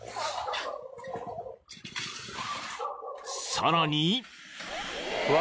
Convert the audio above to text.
［さらに］